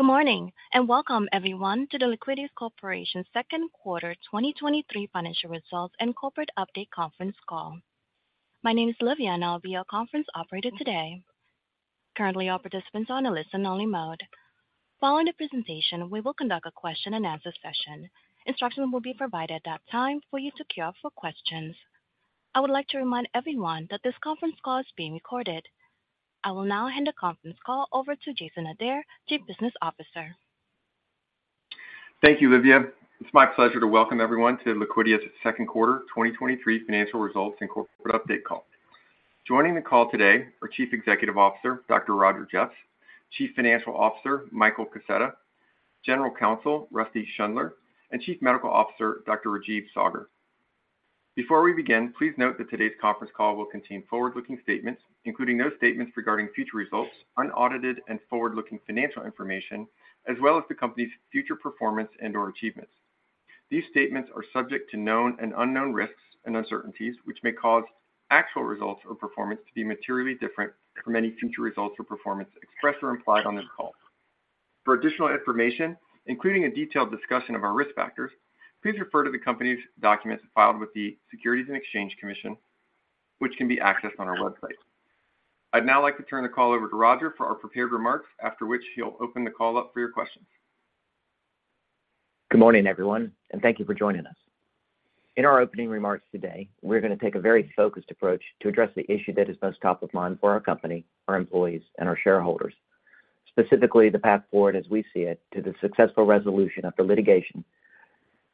Good morning, welcome everyone to the Liquidia Corporation second quarter 2023 financial results and corporate update conference call. My name is Livia, I'll be your conference operator today. Currently, all participants are on a listen-only mode. Following the presentation, we will conduct a question-and-answer session. Instructions will be provided at that time for you to queue up for questions. I would like to remind everyone that this conference call is being recorded. I will now hand the conference call over to Jason Adair, Chief Business Officer. Thank you, Livia. It's my pleasure to welcome everyone to Liquidia's 2nd quarter 2023 financial results and corporate update call. Joining the call today are Chief Executive Officer, Dr. Roger Jeffs, Chief Financial Officer, Michael Kaseta, General Counsel, Rusty Schundler, and Chief Medical Officer, Dr. Rajeev Saggar. Before we begin, please note that today's conference call will contain forward-looking statements, including those statements regarding future results, unaudited and forward-looking financial information, as well as the company's future performance and/or achievements. These statements are subject to known and unknown risks and uncertainties, which may cause actual results or performance to be materially different from any future results or performance expressed or implied on this call. For additional information, including a detailed discussion of our risk factors, please refer to the company's documents filed with the Securities and Exchange Commission, which can be accessed on our website. I'd now like to turn the call over to Roger for our prepared remarks, after which he'll open the call up for your questions. Good morning, everyone, and thank you for joining us. In our opening remarks today, we're going to take a very focused approach to address the issue that is most top of mind for our company, our employees, and our shareholders. Specifically, the path forward as we see it, to the successful resolution of the litigation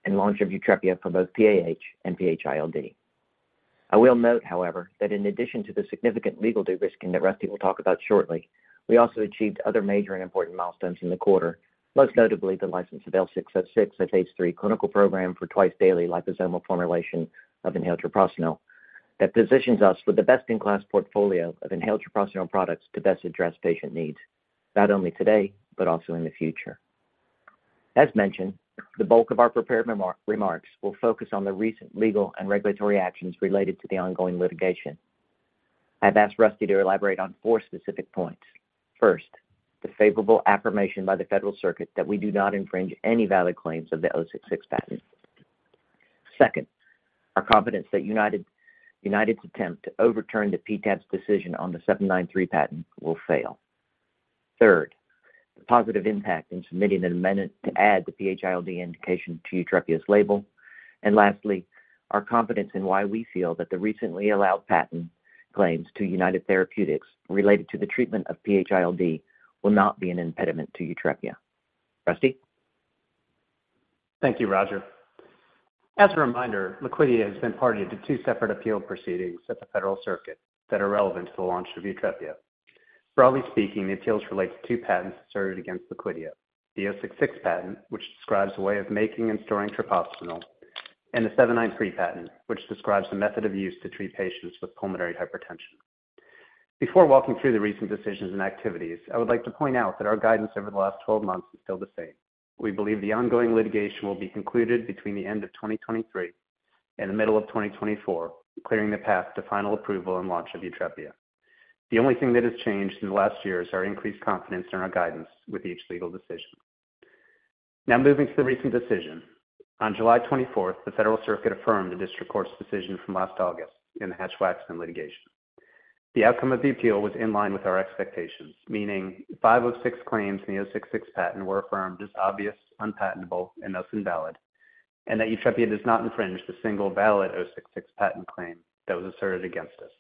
and launch of YUTREPIA for both PAH and PH-ILD. I will note, however, that in addition to the significant legal de-risking that Rusty will talk about shortly, we also achieved other major and important milestones in the quarter, most notably the license of L606, a phase 3 clinical program for twice-daily liposomal formulation of inhaled treprostinil. That positions us with the best-in-class portfolio of inhaled treprostinil products to best address patient needs, not only today but also in the future. As mentioned, the bulk of our prepared remarks will focus on the recent legal and regulatory actions related to the ongoing litigation. I've asked Rusty to elaborate on four specific points. First, the favorable affirmation by the Federal Circuit that we do not infringe any valid claims of the '066 patent. Second, our confidence that United's attempt to overturn the PTAB's decision on the '793 patent will fail. Third, the positive impact in submitting an amendment to add the PH-ILD indication to YUTREPIA's label. Lastly, our confidence in why we feel that the recently allowed patent claims to United Therapeutics related to the treatment of PH-ILD will not be an impediment to YUTREPIA. Rusty? Thank you, Roger. As a reminder, Liquidia has been party to two separate appeal proceedings at the Federal Circuit that are relevant to the launch of YUTREPIA. Broadly speaking, the appeals relate to two patents asserted against Liquidia: the '066 patent, which describes a way of making and storing treprostinil, and the '793 patent, which describes the method of use to treat patients with pulmonary hypertension. Before walking through the recent decisions and activities, I would like to point out that our guidance over the last 12 months is still the same. We believe the ongoing litigation will be concluded between the end of 2023 and the middle of 2024, clearing the path to final approval and launch of YUTREPIA. The only thing that has changed in the last year is our increased confidence in our guidance with each legal decision. Now moving to the recent decision. On July 24th, the Federal Circuit affirmed the District Court's decision from last August in the Hatch-Waxman litigation. The outcome of the appeal was in line with our expectations, meaning 5 of 6 claims in the '066 patent were affirmed as obvious, unpatentable, and thus invalid, and that YUTREPIA does not infringe the single valid '066 patent claim that was asserted against us.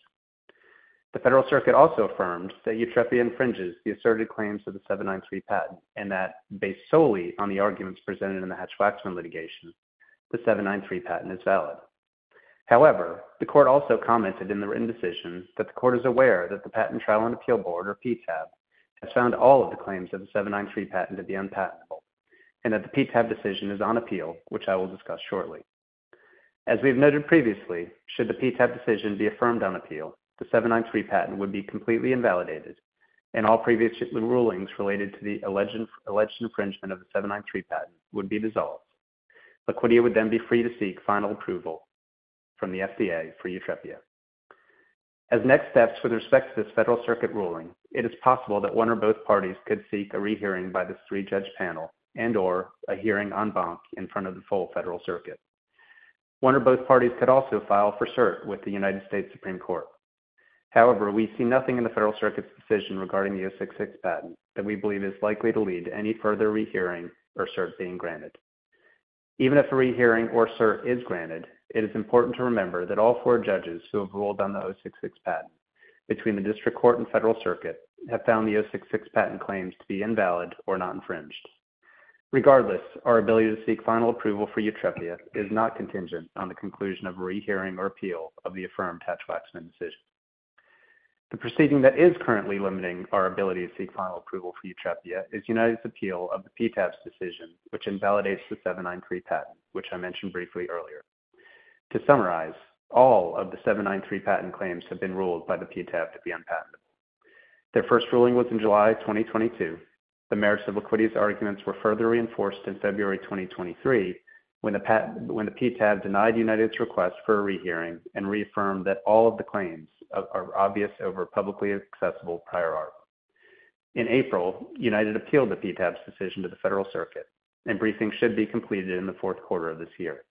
The Federal Circuit also affirmed that YUTREPIA infringes the asserted claims of the '793 patent and that based solely on the arguments presented in the Hatch-Waxman litigation, the '793 patent is valid. However, the court also commented in the written decision that the court is aware that the Patent Trial and Appeal Board, or PTAB, has found all of the claims of the '793 patent to be unpatentable and that the PTAB decision is on appeal, which I will discuss shortly. As we've noted previously, should the PTAB decision be affirmed on appeal, the '793 patent would be completely invalidated, and all previous rulings related to the alleged infringement of the '793 patent would be dissolved. Liquidia would then be free to seek final approval from the FDA for YUTREPIA. As next steps with respect to this Federal Circuit ruling, it is possible that one or both parties could seek a rehearing by this three-judge panel and/or a hearing en banc in front of the full Federal Circuit. 1 or both parties could also file for cert with the United States Supreme Court. However, we see nothing in the Federal Circuit's decision regarding the '066 patent that we believe is likely to lead to any further rehearing or cert being granted. Even if a rehearing or cert is granted, it is important to remember that all 4 judges who have ruled on the '066 patent between the District Court and Federal Circuit have found the '066 patent claims to be invalid or not infringed. Regardless, our ability to seek final approval for YUTREPIA is not contingent on the conclusion of a rehearing or appeal of the affirmed Hatch-Waxman decision. The proceeding that is currently limiting our ability to seek final approval for YUTREPIA is United's appeal of the PTAB's decision, which invalidates the '793 patent, which I mentioned briefly earlier. To summarize, all of the '793 patent claims have been ruled by the PTAB to be unpatentable. Their first ruling was in July 2022. The merits of Liquidia's arguments were further reinforced in February 2023, when the PTAB denied United's request for a rehearing and reaffirmed that all of the claims are obvious over publicly accessible prior art. In April, United appealed the PTAB's decision to the Federal Circuit, and briefing should be completed in the fourth quarter of this year.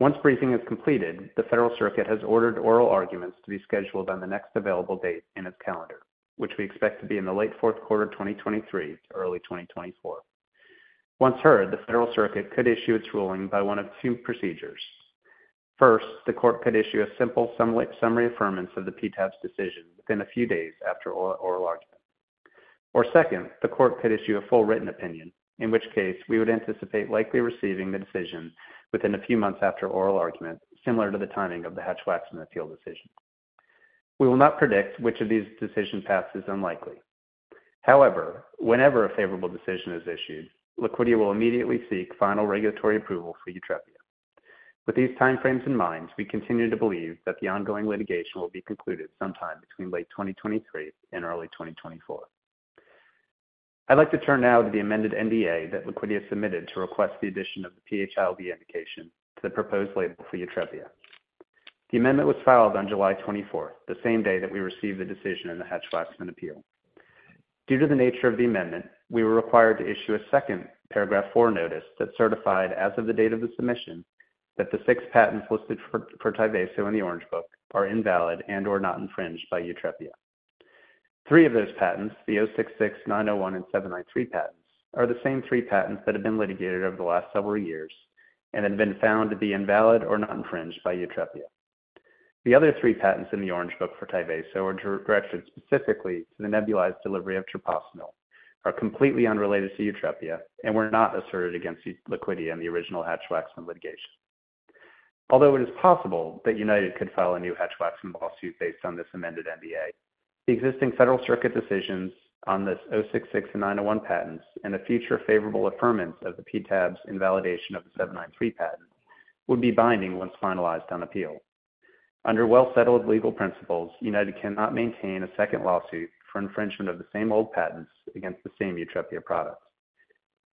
Once briefing is completed, the Federal Circuit has ordered oral arguments to be scheduled on the next available date in its calendar, which we expect to be in the late fourth quarter of 2023 to early 2024. Once heard, the Federal Circuit could issue its ruling by one of two procedures. First, the court could issue a simple summary affirmance of the PTAB's decision within a few days after oral argument. Second, the court could issue a full written opinion, in which case we would anticipate likely receiving the decision within a few months after oral argument, similar to the timing of the Hatch-Waxman appeal decision. We will not predict which of these decision paths is unlikely. However, whenever a favorable decision is issued, Liquidia will immediately seek final regulatory approval for YUTREPIA. With these timeframes in mind, we continue to believe that the ongoing litigation will be concluded sometime between late 2023 and early 2024. I'd like to turn now to the amended NDA that Liquidia submitted to request the addition of the PH-ILD indication to the proposed label for YUTREPIA. The amendment was filed on July 24th, the same day that we received the decision in the Hatch-Waxman appeal. Due to the nature of the amendment, we were required to issue a second Paragraph IV notice that certified, as of the date of the submission, that the 6 patents listed for Tyvaso in the Orange Book are invalid and/or not infringed by YUTREPIA. 3 of those patents, the '066, '901, and '793 patents, are the same 3 patents that have been litigated over the last several years and have been found to be invalid or not infringed by YUTREPIA. The other 3 patents in the Orange Book for Tyvaso are directed specifically to the nebulized delivery of treprostinil, are completely unrelated to YUTREPIA, and were not asserted against Liquidia in the original Hatch-Waxman litigation. Although it is possible that United could file a new Hatch-Waxman lawsuit based on this amended NDA, the existing Federal Circuit decisions on this '066 and '901 patents and a future favorable affirmance of the PTAB's invalidation of the '793 patent would be binding once finalized on appeal. Under well-settled legal principles, United cannot maintain a second lawsuit for infringement of the same old patents against the same YUTREPIA products.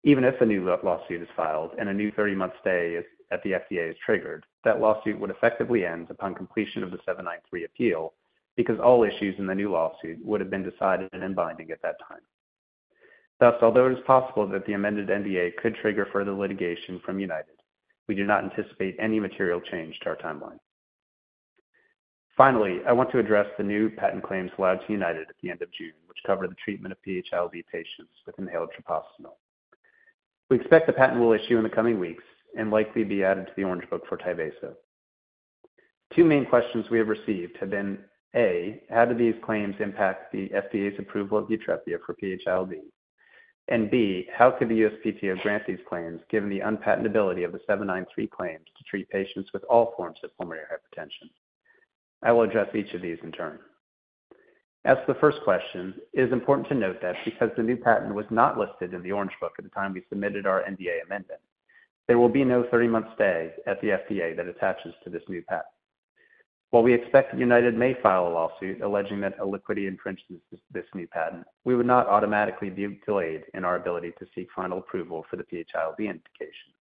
Even if a new lawsuit is filed and a new thirty-month stay at the FDA is triggered, that lawsuit would effectively end upon completion of the '793 appeal, because all issues in the new lawsuit would have been decided and in binding at that time. Although it is possible that the amended NDA could trigger further litigation from United, we do not anticipate any material change to our timeline. Finally, I want to address the new patent claims allowed to United at the end of June, which cover the treatment of PH-ILD patients with inhaled treprostinil. We expect the patent will issue in the coming weeks and likely be added to the Orange Book for Tyvaso. Two main questions we have received have been, A, how do these claims impact the FDA's approval of YUTREPIA for PH-ILD? B, how could the USPTO grant these claims, given the unpatentability of the '793 patent claims to treat patients with all forms of pulmonary hypertension? I will address each of these in turn. As for the first question, it is important to note that because the new patent was not listed in the Orange Book at the time we submitted our NDA amendment, there will be no thirty-month stay at the FDA that attaches to this new patent. While we expect United may file a lawsuit alleging that Liquidia infringes this, this new patent, we would not automatically be delayed in our ability to seek final approval for the PH-ILD indication.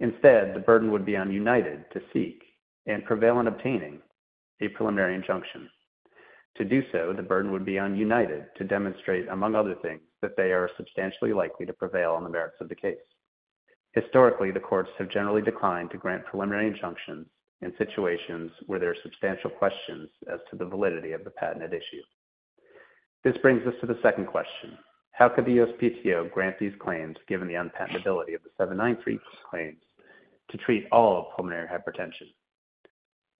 Instead, the burden would be on United to seek and prevail on obtaining a preliminary injunction. To do so, the burden would be on United to demonstrate, among other things, that they are substantially likely to prevail on the merits of the case. Historically, the courts have generally declined to grant preliminary injunctions in situations where there are substantial questions as to the validity of the patent at issue. This brings us to the second question: How could the USPTO grant these claims, given the unpatentability of the '793 claims to treat all pulmonary hypertension?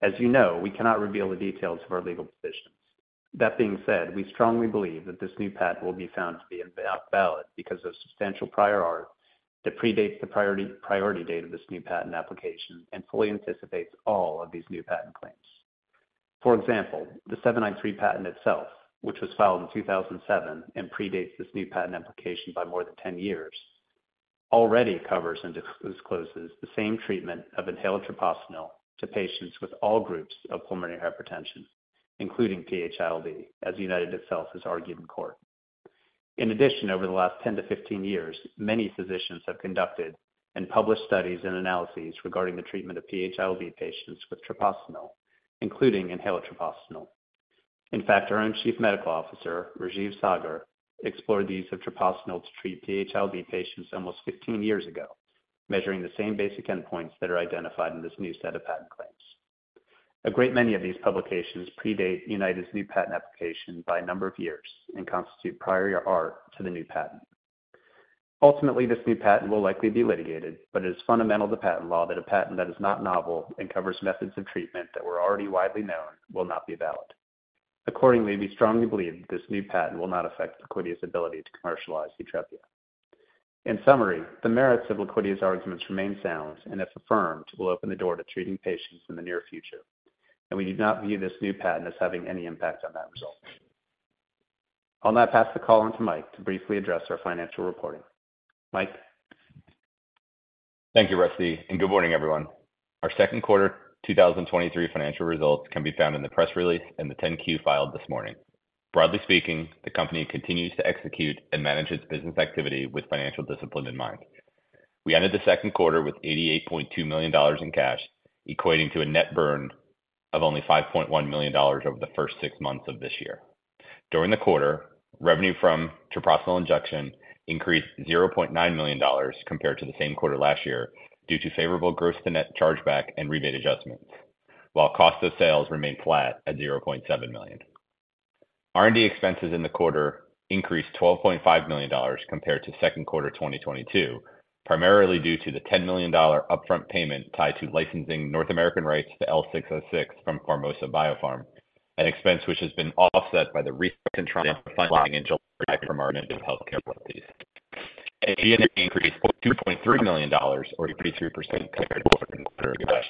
As you know, we cannot reveal the details of our legal positions. That being said, we strongly believe that this new patent will be found to be invalid because of substantial prior art that predates the priority, priority date of this new patent application and fully anticipates all of these new patent claims. For example, the '793 patent itself, which was filed in 2007 and predates this new patent application by more than 10 years, already covers and discloses the same treatment of inhaled treprostinil to patients with all groups of pulmonary hypertension, including PH-ILD, as United itself has argued in court. In addition, over the last 10-15 years, many physicians have conducted and published studies and analyses regarding the treatment of PH-ILD patients with treprostinil, including inhaled treprostinil. In fact, our own Chief Medical Officer, Rajeev Saggar, explored the use of treprostinil to treat PH-ILD patients almost 15 years ago, measuring the same basic endpoints that are identified in this new set of patent claims. A great many of these publications predate United's new patent application by a number of years and constitute prior art to the new patent. Ultimately, this new patent will likely be litigated, but it is fundamental to patent law that a patent that is not novel and covers methods of treatment that were already widely known will not be valid. Accordingly, we strongly believe that this new patent will not affect Liquidia's ability to commercialize YUTREPIA. In summary, the merits of Liquidia's arguments remain sound, and if affirmed, will open the door to treating patients in the near future, and we do not view this new patent as having any impact on that result. I'll now pass the call on to Mike to briefly address our financial reporting. Mike? Thank you, Rusty, and good morning, everyone. Our second quarter 2023 financial results can be found in the press release and the 10-Q filed this morning. Broadly speaking, the company continues to execute and manage its business activity with financial discipline in mind. We ended the second quarter with $88.2 million in cash, equating to a net burn of only $5.1 million over the first six months of this year. During the quarter, revenue from Treprostinil Injection increased $0.9 million compared to the same quarter last year, due to favorable gross to net chargeback and rebate adjustments, while cost of sales remained flat at $0.7 million. R&D expenses in the quarter increased $12.5 million compared to second quarter 2022, primarily due to the $10 million upfront payment tied to licensing North American rights to L606 from Pharmosa BioPharm, an expense which has been offset by the recent trial funding in July from our HealthCare Royalty Partners. SG&A increased $2.3 million, or 83% compared to last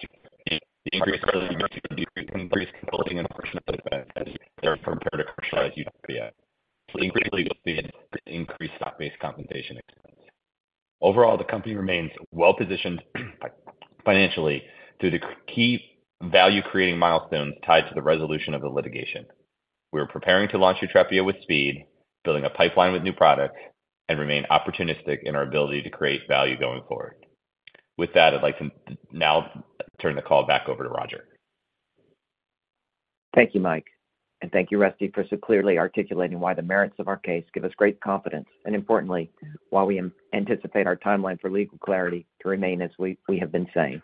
year. The increase was due to increased building and personal expenses that are compared to commercialize YUTREPIA, increased stock-based compensation expense. Overall, the company remains well-positioned financially through the key value-creating milestones tied to the resolution of the litigation. We are preparing to launch YUTREPIA with speed, building a pipeline with new products, and remain opportunistic in our ability to create value going forward. With that, I'd like to now turn the call back over to Roger. Thank you, Mike, and thank you, Rusty, for so clearly articulating why the merits of our case give us great confidence, and importantly, while we anticipate our timeline for legal clarity to remain as we have been saying,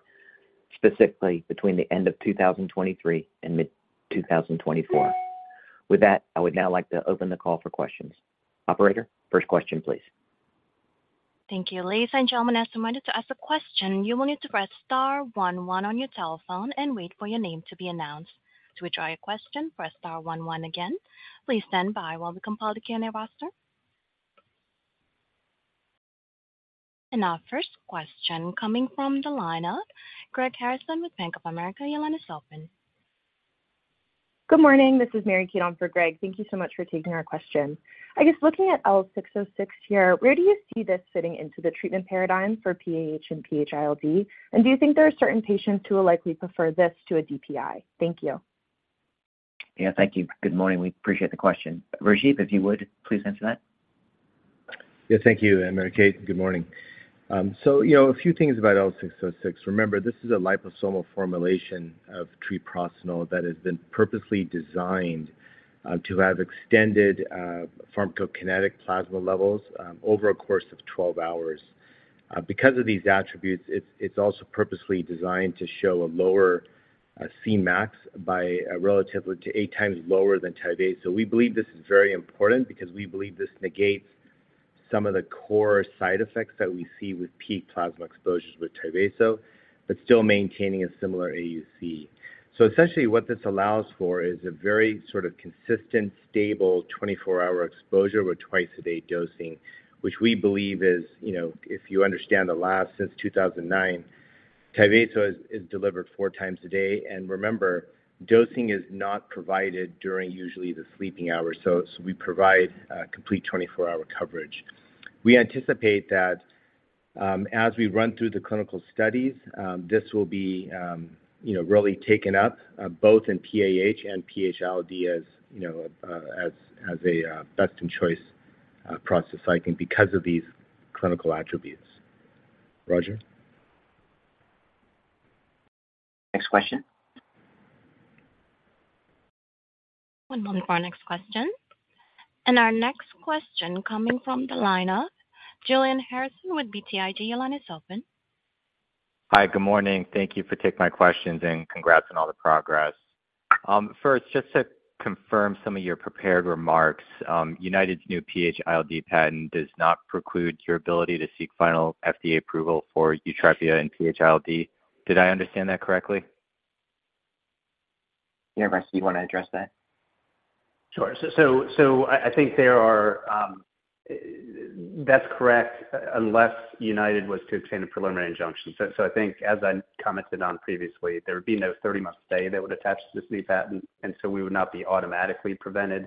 specifically between the end of 2023 and mid 2024. With that, I would now like to open the call for questions. Operator, first question, please. Thank you. Ladies and gentlemen, as I wanted to ask a question, you will need to press star one one on your telephone and wait for your name to be announced. To withdraw your question, press star one one again. Please stand by while we compile the Q&A roster. Our first question coming from the line of Greg Harrison with Bank of America. Your line is open. Good morning. This is Mary Kate on for Greg. Thank you so much for taking our question. I guess looking at L606 here, where do you see this fitting into the treatment paradigm for PAH and PH-ILD? Do you think there are certain patients who will likely prefer this to a DPI? Thank you. Yeah, thank you. Good morning. We appreciate the question. Rajeev, if you would, please answer that. Yeah, thank you, Mary Kate. Good morning. You know, a few things about L606. Remember, this is a liposomal formulation of treprostinil that has been purposely designed to have extended pharmacokinetic plasma levels over a course of 12 hours. Because of these attributes, it's, it's also purposely designed to show a lower Cmax by relatively to 8 times lower than Tyvaso. We believe this is very important because we believe this negates some of the core side effects that we see with peak plasma exposures with Tyvaso, but still maintaining a similar AUC. Essentially, what this allows for is a very sort of consistent, stable, 24-hour exposure with twice a day dosing, which we believe is, you know, if you understand the labs, since 2009, Tyvaso is, is delivered 4 times a day. Remember, dosing is not provided during usually the sleeping hours, so we provide complete 24-hour coverage. We anticipate that, as we run through the clinical studies, this will be, you know, really taken up both in PAH and PH-ILD as, you know, as a best-in-choice prostacyclin because of these clinical attributes. Roger? Next question? One moment for our next question. Our next question coming from the line of Julian Harrison with BTIG. Your line is open. Hi, good morning. Thank you for taking my questions. Congrats on all the progress. First, just to confirm some of your prepared remarks, United's new PH-ILD patent does not preclude your ability to seek final FDA approval for YUTREPIA and PH-ILD. Did I understand that correctly? Yeah, Rusty, you want to address that? Sure. That's correct, unless United was to obtain a preliminary injunction. So I think as I commented on previously, there would be no thirty-month stay that would attach to this new patent, and so we would not be automatically prevented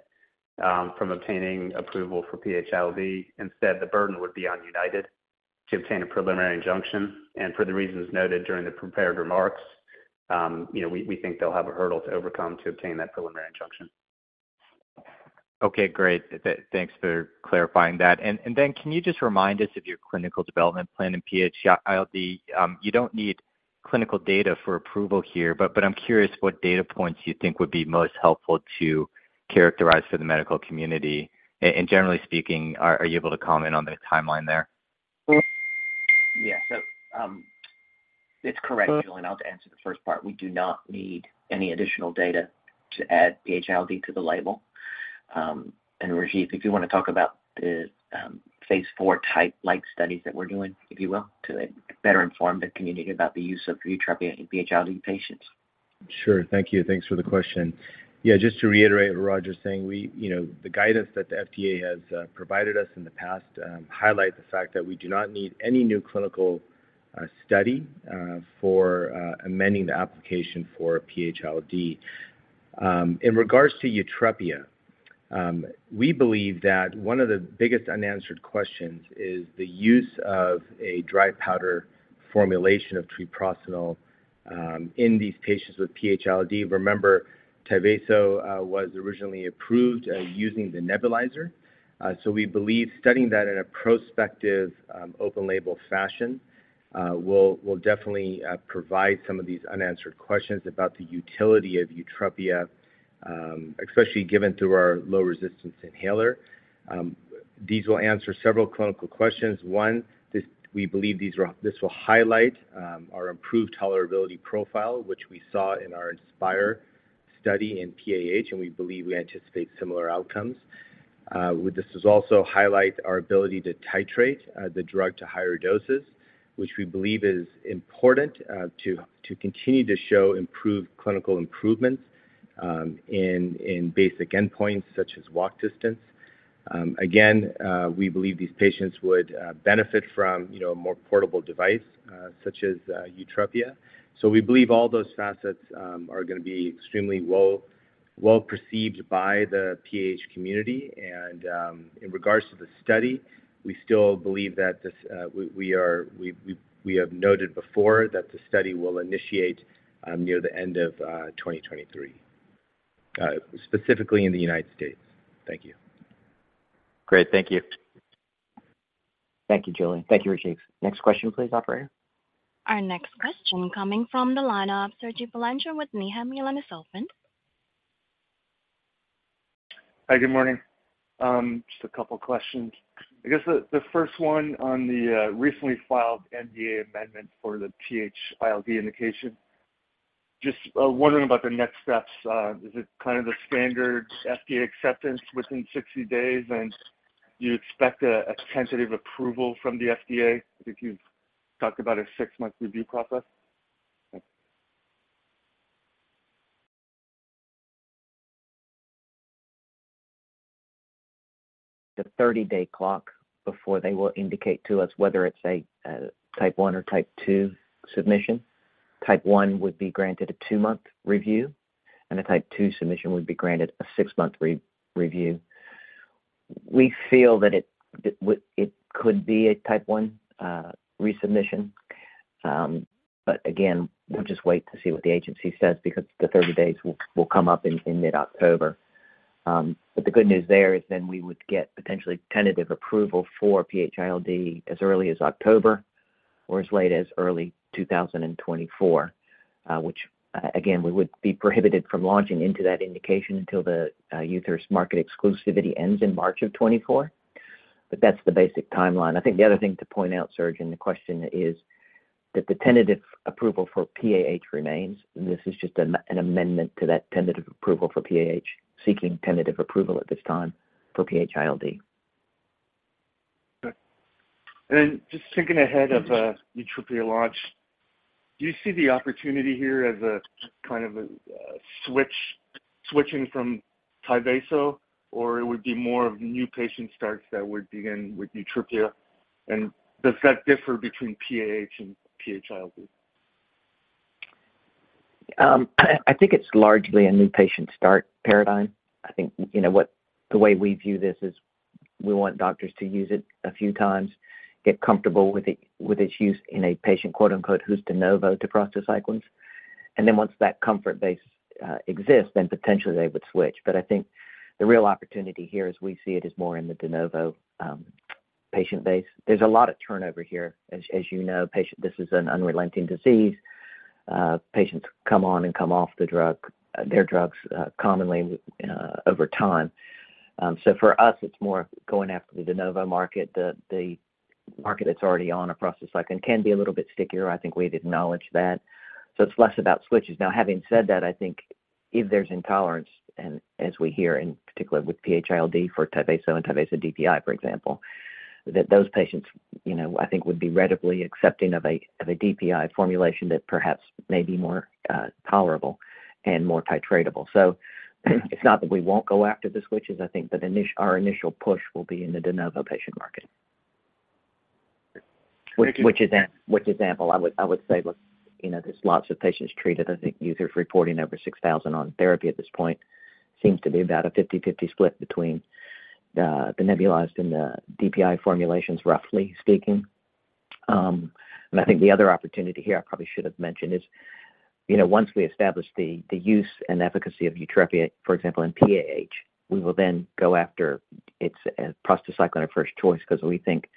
from obtaining approval for PH-ILD. Instead, the burden would be on United to obtain a preliminary injunction. For the reasons noted during the prepared remarks, you know, we, we think they'll have a hurdle to overcome to obtain that preliminary injunction. Okay, great. Thanks for clarifying that. Then can you just remind us of your clinical development plan in PH-ILD? You don't need clinical data for approval here, but I'm curious what data points you think would be most helpful to characterize for the medical community. Generally speaking, are you able to comment on the timeline there? Yeah. It's correct, Julian, I'll answer the first part. We do not need any additional data to add PH-ILD to the label. Rajeev, if you want to talk about the phase 4 type like studies that we're doing, if you will, to better inform the community about the use of YUTREPIA in PH-ILD patients. Sure. Thank you. Thanks for the question. Yeah, just to reiterate what Roger is saying, we, you know, the guidance that the FDA has provided us in the past, highlight the fact that we do not need any new clinical study for amending the application for PH-ILD. In regards to YUTREPIA, we believe that one of the biggest unanswered questions is the use of a dry powder formulation of treprostinil in these patients with PH-ILD. Remember, Tyvaso was originally approved using the nebulizer. We believe studying that in a prospective, open label fashion, will, will definitely provide some of these unanswered questions about the utility of YUTREPIA, especially given through our low resistance inhaler. These will answer several clinical questions. One, this, we believe these are, this will highlight, our improved tolerability profile, which we saw in our INSPIRE study in PAH, and we believe we anticipate similar outcomes. This is also highlight our ability to titrate the drug to higher doses, which we believe is important to, to continue to show improved clinical improvements in, in basic endpoints such as walk distance. Again, we believe these patients would benefit from, you know, a more portable device such as YUTREPIA. We believe all those facets are going to be extremely well, well perceived by the PAH community. In regards to the study, we still believe that this, we, we are, we, we, we have noted before that the study will initiate near the end of 2023, specifically in the United States. Thank you. Great. Thank you. Thank you, Julian. Thank you, Rajeev. Next question, please, operator. Our next question coming from the line of Serge Belanger with Needham, line is open. Hi, good morning. Just a couple questions. I guess the, the first one on the recently filed NDA amendment for the PH-ILD indication. Just wondering about the next steps. Is it kind of the standard FDA acceptance within 60 days, and do you expect a, a tentative approval from the FDA? I think you've talked about a 6-month review process. Thanks. The 30-day clock before they will indicate to us whether it's a Type 1 or Type 2 submission. Type 1 would be granted a 2-month review, and a Type 2 submission would be granted a 6-month review. We feel that it, it would... It could be a Type 1 resubmission. Again, we'll just wait to see what the agency says because the 30 days will, will come up in mid-October. The good news there is then we would get potentially tentative approval for PH-ILD as early as October or as late as early 2024. Again, we would be prohibited from launching into that indication until the YUTREPIA's market exclusivity ends in March of 2024. That's the basic timeline. I think the other thing to point out, Serge, in the question is that the tentative approval for PAH remains. This is just an, an amendment to that tentative approval for PAH, seeking tentative approval at this time for PH-ILD. Okay. Then just thinking ahead of, YUTREPIA launch, do you see the opportunity here as a kind of a, a switch, switching from Tyvaso, or it would be more of new patient starts that would begin with YUTREPIA? Does that differ between PAH and PH-ILD? I, I think it's largely a new patient start paradigm. I think, you know what? The way we view this is we want doctors to use it a few times, get comfortable with it, with its use in a patient, quote, unquote, "who's de novo to prostacyclins." Once that comfort base exists, then potentially they would switch. I think the real opportunity here, as we see it, is more in the de novo patient base. There's a lot of turnover here. As, as you know, patient, this is an unrelenting disease. Patients come on and come off the drug, their drugs, commonly, over time. For us, it's more going after the de novo market. The, the market that's already on across the cycle can be a little bit stickier. I think we've acknowledged that. It's less about switches. Having said that, I think if there's intolerance, and as we hear in particular with PH-ILD for Tyvaso and Tyvaso DPI, for example, that those patients, you know, I think would be readily accepting of a, of a DPI formulation that perhaps may be more tolerable and more titratable. So it's not that we won't go after the switches, I think, but our initial push will be in the de novo patient market. Thank you. Which is an example I would say, look, you know, there's lots of patients treated. I think users reporting over 6,000 on therapy at this point seems to be about a 50/50 split between the nebulized and the DPI formulations, roughly speaking. I think the other opportunity here, I probably should have mentioned, is, you know, once we establish the use and efficacy of YUTREPIA, for example, in PAH, we will then go after its prostacyclin of first choice, because we think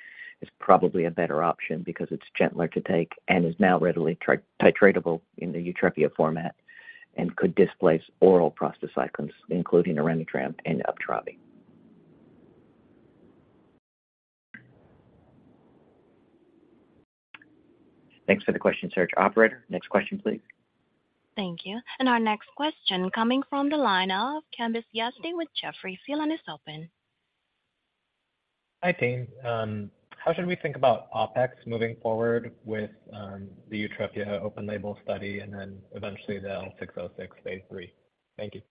it's probably a better option because it's gentler to take and is now readily titratable in the YUTREPIA format and could displace oral prostacyclins, including Orenitram and Uptravi. Thanks for the question, Serge. Operator, next question, please. Thank you. Our next question coming from the line of Kambiz Yazdi with Jefferies. The line is open. Hi, team. How should we think about OpEx moving forward with the YUTREPIA open label study and then eventually the L606 phase III? Thank you.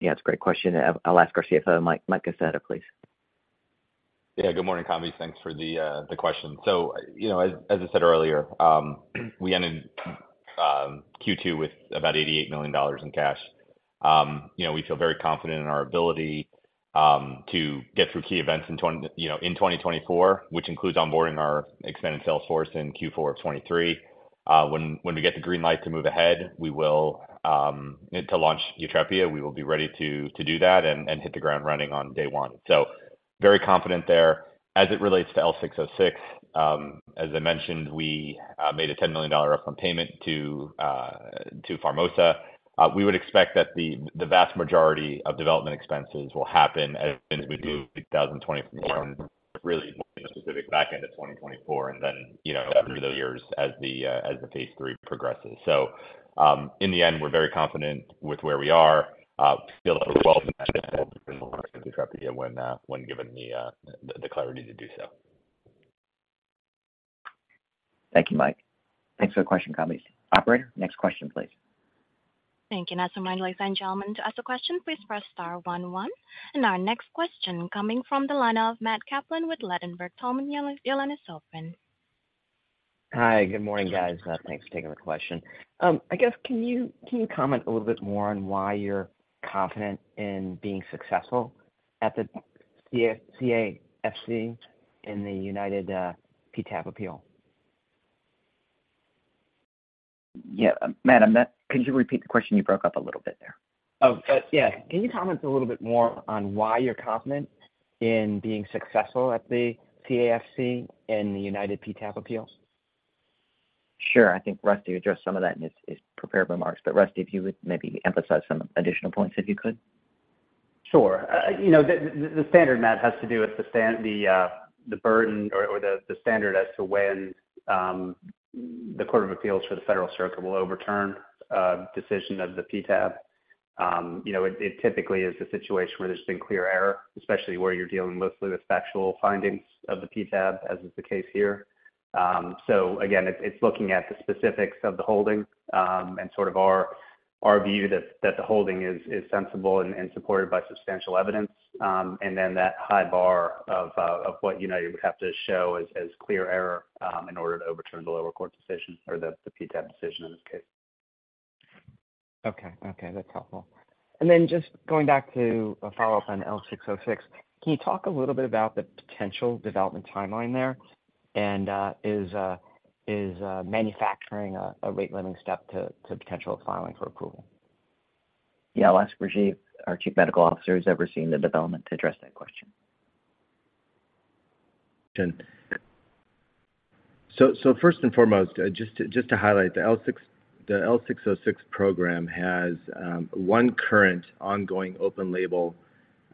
Yeah, it's a great question. I'll ask our CFO, Mike Kaseta, please. Yeah, good morning, Kambiz. Thanks for the question. You know, as, as I said earlier, we ended Q2 with about $88 million in cash. You know, we feel very confident in our ability to get through key events in 2024, which includes onboarding our expanded sales force in Q4 of 2023. When, when we get the green light to move ahead, we will to launch YUTREPIA, we will be ready to do that and hit the ground running on day one. Very confident there. As it relates to L606, as I mentioned, we made a $10 million upfront payment to Pharmosa. We would expect that the, the vast majority of development expenses will happen as we move to 2024, and really more in the specific back end of 2024, and then, you know, through the years as the, as the phase 3 progresses. In the end, we're very confident with where we are, feel really well when, when given the, the, the clarity to do so. Thank you, Mike. Thanks for the question, Kambiz. Operator, next question, please. Thank you. Ladies and gentlemen, to ask a question, please press star 1, 1. Our next question coming from the line of Matthew Kaplan with Ladenburg Thalmann, your line is open. Hi. Good morning, guys. Thanks for taking the question. I guess, can you comment a little bit more on why you're confident in being successful at the CAFC in the United PTAB appeal? Yeah, Matt, could you repeat the question? You broke up a little bit there. Oh, yeah. Can you comment a little bit more on why you're confident in being successful at the CAFC in the United's PTAB appeal? Sure. I think Rusty addressed some of that in his, his prepared remarks. Rusty, if you would maybe emphasize some additional points, if you could. Sure. You know, the standard, Matt, has to do with the burden or the standard as to when the Court of Appeals for the Federal Circuit will overturn decision of the PTAB. You know, it, it typically is a situation where there's been clear error, especially where you're dealing mostly with factual findings of the PTAB, as is the case here. Again, it' Rajeev, our chief medical officer, is overseeing the development to address that question. First and foremost, just to highlight, the L606 program has 1 current ongoing open-label study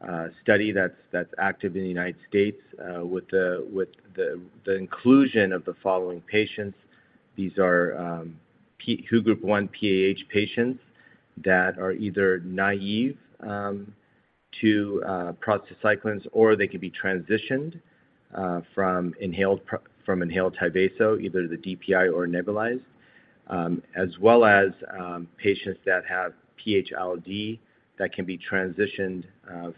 that's active in the United States, with the inclusion of the following patients. These are WHO Group 1 PAH patients that are either naive to prostacyclins, or they could be transitioned from inhaled Tyvaso, either the DPI or nebulized, as well as patients that have PH-ILD that can be transitioned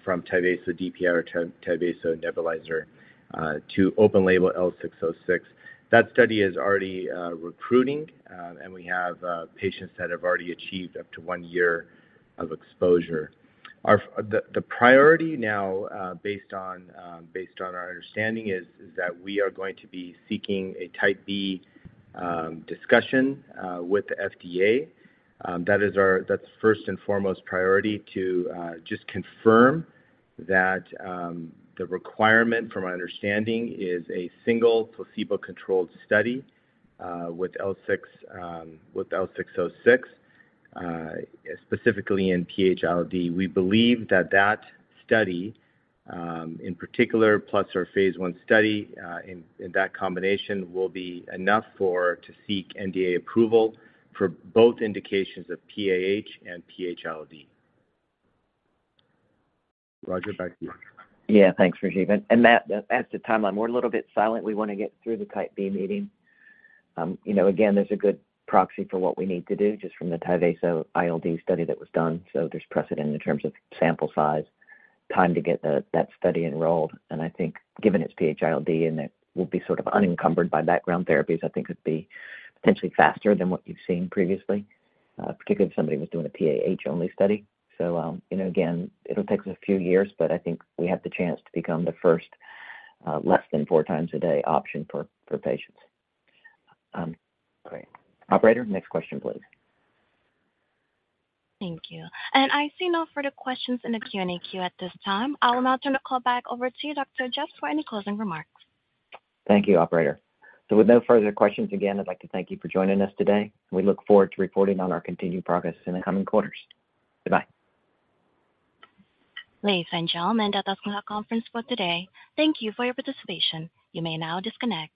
from Tyvaso DPI or Tyvaso nebulizer to open-label L606. That study is already recruiting. We have patients that have already achieved up to 1 year of exposure. Our the, the priority now, based on, based on our understanding is, is that we are going to be seeking a Type B discussion with the FDA. That's first and foremost priority to just confirm that the requirement from our understanding is a single placebo-controlled study with L six, with L-606, specifically in PH-ILD. We believe that that study, in particular, plus our phase 1 study, in, in that combination, will be enough for to seek NDA approval for both indications of PAH and PH-ILD. Roger, back to you. Yeah. Thanks, Rajeev. Matt, as to timeline, we're a little bit silent. We wanna get through the Type B meeting. You know, again, there's a good proxy for what we need to do just from the Tyvaso PH-ILD study that was done. There's precedent in terms of sample size, time to get the, that study enrolled. I think given its PH-ILD and it will be sort of unencumbered by background therapies, I think it could be potentially faster than what you've seen previously, particularly if somebody was doing a PAH-only study. You know, again, it'll take us a few years, but I think we have the chance to become the first, less than 4 times a day option for, for patients. Okay. Operator, next question, please. Thank you. I see no further questions in the Q&A queue at this time. I will now turn the call back over to you, Roger Jeffs, for any closing remarks. Thank you, operator. With no further questions, again, I'd like to thank you for joining us today, and we look forward to reporting on our continued progress in the coming quarters. Goodbye. Ladies and gentlemen, that does end our conference call today. Thank you for your participation. You may now disconnect.